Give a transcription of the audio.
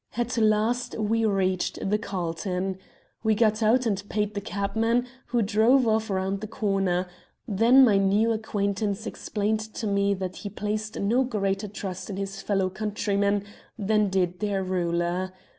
"At last we reached the Carlton. We got out and he paid the cabman, who drove off round the corner; then my new acquaintance explained to me that he placed no greater trust in his fellow countrymen than did their ruler.